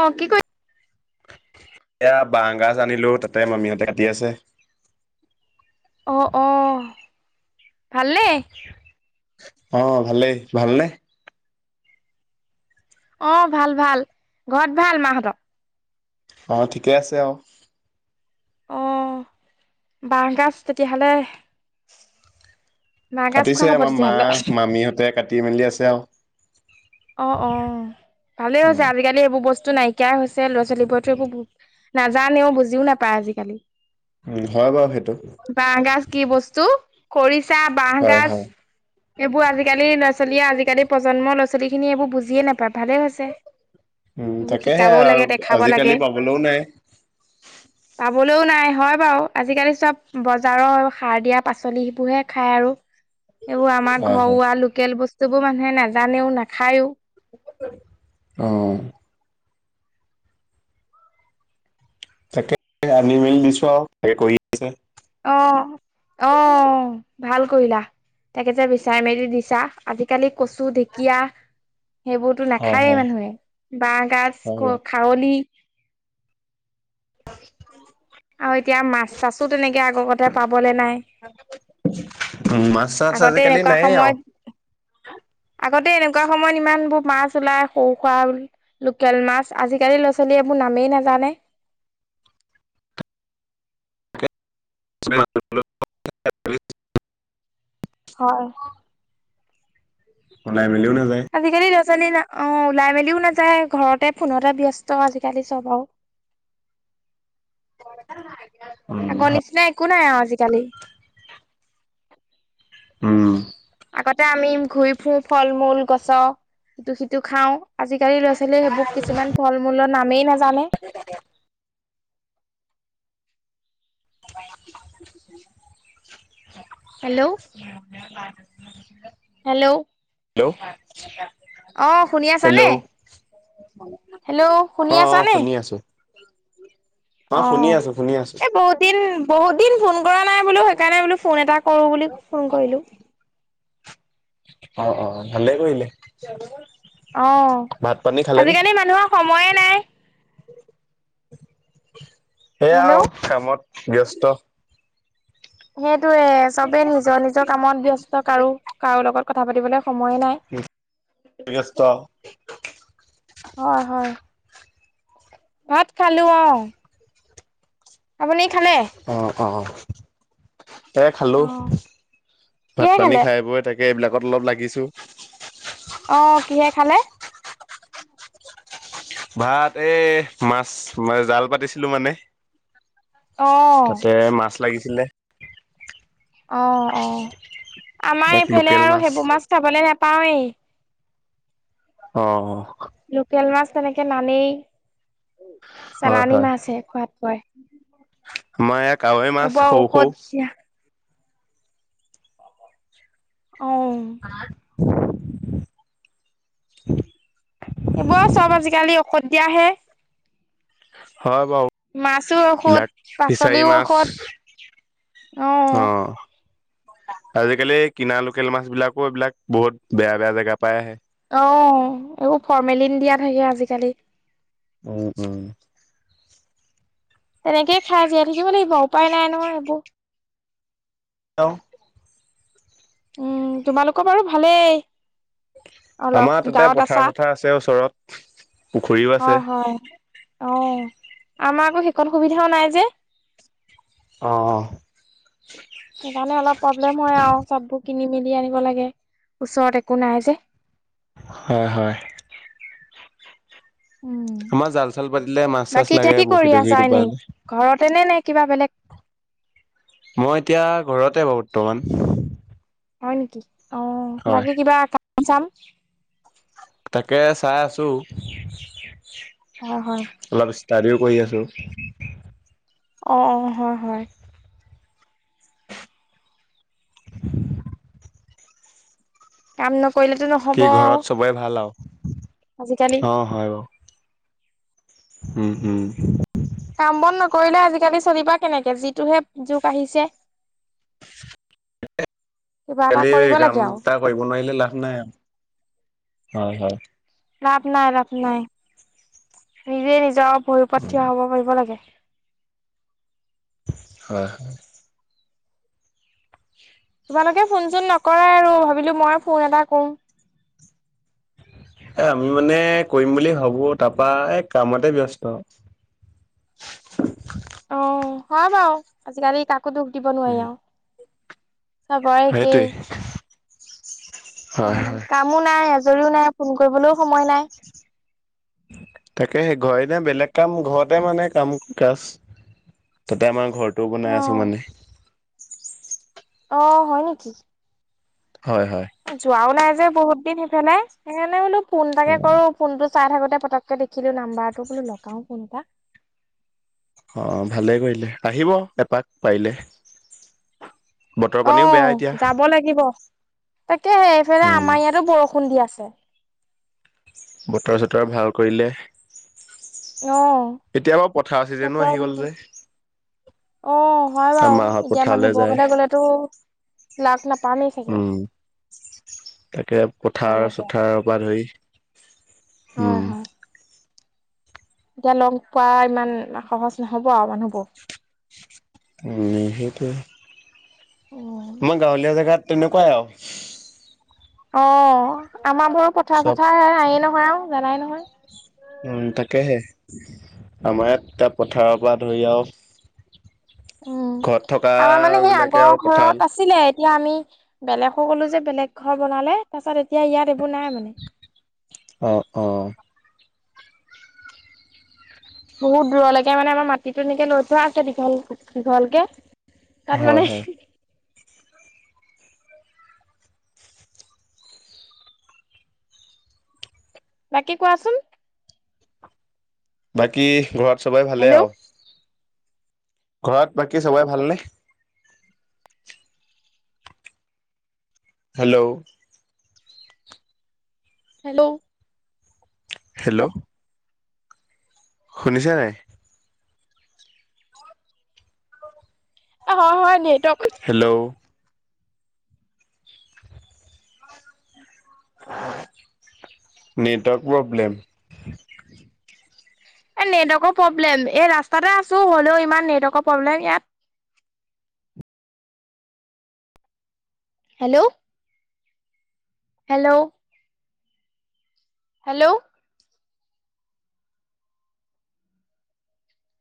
অ' কি কয় এয়া বাঁহ গাজ আনিলো। তাতে মামিহঁতে কাটি আছে। অ! অ'হ, ভালনে? অ' ভালেই ভালনে? অ'হ ভাল, ভাল ঘৰত ভাল মাহঁতৰ? অ ঠিকে আছে আৰু। অ'হ বাঁহ গাজ তেতিয়াহ'লে বাঁহগাজ খোৱা কাটিছে হ'ব আমাৰ মা, তেতিয়াহ'লে মামিহঁতে কাটিছে। তি মেলি আছে আৰু। অ' অ' ভালে অ হৈছে, আজিকালি এইবোৰ বস্তু তো নাইকিয়াই হৈছে। ল'ৰা ছোৱালীবোৰেতো একো নাজানেও, বুজিও নাপায়, আজিকালি। উম হয় বাৰু সেইটো বাঁহ গাজ কি বস্তু। খৰি ছা বাঁহ হয় গাজ, হয় এইবোৰ আজিকালি, ল'ৰা ছোৱালীয়ে, আজিকালি প্ৰজন্মৰ ল'ৰা ছোৱালীয়ে ছোৱিখিনিয়ে এইবোৰ বুজিয়েই নাপাই। উম তাকেহে শিকাবও লাগে আৰু, দেখাব লাগে আজিকালি পাবলৈও নাই। পাবলৈও নাই, হয় বাৰু। আজিকালি চব বজাৰৰ সাৰ দিয়া পাচলি সেইবোৰহে খায় আৰু। এইবোৰ আমাৰ হয় হয় ঘৰুৱা লোকেল বস্তু সেইবোৰ মানুহে নাজানেও নেখায়োঁ। খায়ো। আহ তাকে আনি মিল দিছো আছে অ অ ভাল কৰিলা তাকে যে বিচাৰি মেলি দিছা আজিকালি কচু ঢেকীয়া সেইবোৰতো হয় নাখায়ে হয় মানুহে বাঁহ গাজ হয় বাৰু খাৰলি। উ আৰু এতিয়া মাছ চাছোত তেনেকে আগৰ কতে পাবলে নাই উম মাছ চাছ আগতে আজিকালি এনেকুৱা নাইয়ে আৰু সময়ত আগতে এনেকুৱা সময়ত ইমান বোৰ মাছ ওলাই সৰু সুৰা লোকেল মাছ, আজিকালি ল'ৰা ছোৱালীয়ে এইবোৰ নামেই নাজানে [inaudible] হয় উলায় মিলিও না। আজিকালি ীা অ ওলাই মেলিও নাযায় ঘৰতে ফোনতে ব্যস্ত আজিকালি চব আৰু [inaudible] আগৰ হয় নিচিনা একো নাই আৰু আজিকালি উম আগতে আমি ঘূৰি ফুৰোঁ ফল মূল গছৰ সিটো সিটো খাওঁ। আজিকালি ল'ৰা ছোৱালীয়ে সেইবোৰ কিছুমান ফল মূলৰ নামেই ন জানে [inaudible] হেল্ল' [unintelligible] হেল্ল' হেল্ল' অ শুনি আছানে হেল্ল' হেল্ল' শুনি অ অ আছানে শুনি আছো অ শুনি আছো শুনি আছো এ বহুত দিন। বহুত দিন ফোন কৰা নাই বুলিো সেইকাৰণে বোলো ফোন এটা কৰো বুলি ফোন কৰিলো অ অ ভাল কিলে আহ আজিকালি মানুহৰ সময়ে নাই। [inaudible] সেয়া হেল্ল' আৰু কামত। ব্যস্ত [inaudible] সেটোৱে, চবে নিজৰ- নিজৰ কামত ব্যস্ত কাৰো- কাৰো লগত কথা পাতিবলে সময়ে নাই, ব্যস্ত হয়-হয়। ভাত খালো অ'। আপুনি খালে। অ অ' এ খালো, অ' ভাত কিহে পানী খালে? খাই বই তাক সেই এইবিলাকত অলপ লাগিছো। অ' কিহে খালে। ভাত এ মাছ মই জাল পাতিছিলো মানে। অ' তাতে মাছ লাগিছিলে। অ' অ' আমাৰ এইফালে আৰু সেইবোৰ মাছ খাবলৈ নোপাওঁৱেই। অ' লোকেল মাছ তেনেকে নানেই। হয় চালানী হয় মাছহে, খোৱাত হয় আমাৰ এয়া কাৱৈ মাছ সৰু - সৰু। দিয়া অ' [inaudible] এইবোৰ আৰু চব আজিকালি ঔষধ দিয়াহে। [inaudible] মাছো ঔষধ, এইবিলাক ফিচাৰী পাচলিও মাছ ঔষধ, অ। আজিকালি কিনা লোকেল মাছ বিলাকো এইবিলাক বহুত বেয়া- বেয়া জেগা পাই আহে। অঁ এইবোৰ ফৰ্মেলিন দিয়া থাকে আজিকালি। উম উম তেনেকে খাই জীয়াই থাকিব লাগিব উপায় নাই নহয় এইবোৰ। [inaudible] উম, তোমালোকৰ বাৰু ভালেই। অলপ আমাৰ তাতে গাঁৱত পথাৰ আছা চথাৰ আছে ওচৰত, পুখুৰীও হয় আছে। হয় অ' আমাৰ আকৌ সেইকণ সুবিধাও নাই যে। অঁ সেইকাৰণে অলপ প্ৰব্লেম হয় আৰু চব ব কিনি মেলি আনিব লাগে, ওচৰত একো নাই যে। হয়- হয়। উম আমাৰ জাল চাল পাতিলে মাছ চাছ বাকী এতিয়া লাগে কি কৰি বৰশী আছা তৰশি এনেই টোপাই। ঘৰতে নে নে কিবা বেলেগ। মই এতিয়া ঘৰতে বাৰু বৰ্তমান। হয় নেকি। অ হয় বাকী কিবা। আসাম। তাকে চাই আছোঁ। হয় হয় অলপষ্টাৰিও। কৈ আছো। অ, অ, হয়, হয়। কাম ন। কৰিলেতো কি নহ'ব। ঘৰত চবৰে ভাল আৰু আজিকালি অ হয় বাও। উম উম। কাম বন নকৰিলে আজিকালি চলিবা কেনেকে যিটোহে যুগ আহিছে। কিবা এটা খালি কৰিব কাম লাগে আৰু এটা কৰিব নোৱাৰিলে লাভ নাই আৰু। হয়, হয়। লাভ নাই লাভ নাই নিজে নিজৰ ভৰিৰ ওপৰত থিয় হয় হব পাৰিব লাগে। হয়, হয়। তোমালোকে ফোন চোন নকৰাই আৰু ভাবিলো মই ফোন এটা কৰো। এ আমি মানে কৰিম বুলি ভাবো তাৰপা এই কামতে ব্যস্ত। অ হয় বাৰু আজিকালি ক। কতো দুখ দিব নোৱাৰি আও। চবৰেএকে। সেইটোৱে হয় উম হয় কামো নাই আজৰিও নাই। ফোন কৰিবলৈও সময় নাই। তাকে সেই ঘৰ এনে বেলেগ কাম ঘৰতে মানে কাম কাজ তাতে আমাৰ ঘৰটোও বনাই অ আছো মানে। অ হয় নেকি! হয় হয়। যোৱাও নাই যে। বহুত দিন সেইফালে সেইকাৰণে বোলো। ফোন অ এাকে কৰো ফোন টো চাই থাকোতে। পতককে দেখিলো নাম্বাৰটো বোলো লগাও ফনটা। অ ভালে কৰিলে আহিব এপাক পাৰিলে। বতৰ পানীও অহ বেয়া এতিয়া। যাব লাগিব। তাকেফালে উম আমাৰ ইয়াতো বৰষুণ দি আছে। বতৰ চতৰ ভাল কৰিলে। অ এতিয়া বাৰু পথাৰ চিজনো বতৰ আহি গ'ল ভাল যে। অ হয় আৰু মাহত বাৰু এতিয়া পথাৰলৈ মানুহবোৰ যায় ঘৰলে গ'লেতো। লাখ লাখ। উম তাকে পথাৰ পথাৰলৈ যোৱা চথাৰৰ পৰা ধৰি হয় উম হয় এতিয়া লগ পোৱা ইমান সহজ নহব আৰু মানুহবোৰ নিহেতে [inaudible] মই গাঁৱলীয়া জেগাত তেনেকুৱাই আৰু অ আমাৰ পথাৰ চব চথাৰ আহি [unintelligible] ও জানাই নহয় উ তাকেহে আমাৰ ইয়াত এতিয়া পথাৰৰ পৰা দ অফ উম আমাৰ মানে সেই বিলাকে আগৰ আৰু পথাৰ ঘৰত আছিলে এতিয়া আমি বেলেগো হলো যে বেলেগ ঘৰ বনালে তাৰ পিছত এতিয়া ইয়াত এইবোৰ নাই মানে। অ অ বহুত দূৰলৈকে মানে আমাৰ মাটিতো এনেকে লৈ থোৱা আছেে দীঘল দীঘলকে তাত হয় মানে হয় বাকী কোৱাচোন। বাকী ঘৰত। চবৰে ভালেই হেল্ল' আৰু। ঘৰত বাকী চবৰে ভালনে? হেল্ল' হেল্ল' হেল্ল' শুনিছে নাই? অ হয় হয় নটৱৰ্ক। Hello network problem. এ নেটৱৰ্কৰ প্ৰব্লেম এই ৰাস্তাতে আছো হ'লেও ইমান নেটৱৰ্কৰ প্ৰব্লেম ইয়াত। Hello hello. হেল্ল'